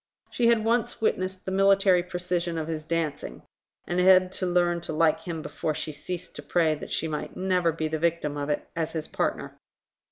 She had once witnessed the military precision of his dancing, and had to learn to like him before she ceased to pray that she might never be the victim of it as his partner.